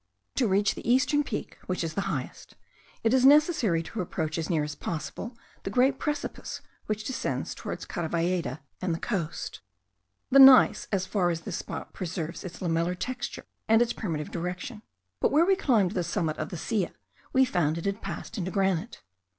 To reach the eastern peak, which is the highest, it is necessary to approach as near as possible the great precipice which descends towards Caravalleda and the coast. The gneiss as far as this spot preserves its lamellar texture and its primitive direction; but where we climbed the summit of the Silla, we found it had passed into granite.